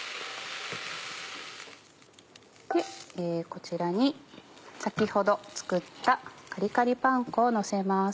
こちらに先ほど作ったカリカリパン粉をのせます。